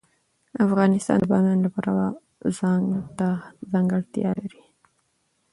افغانستان د بامیان د پلوه ځانته ځانګړتیا لري.